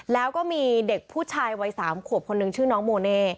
แล้วก็มีเด็กผู้ชายวัย๓ขวบคนนึงชื่อน้องโมเน่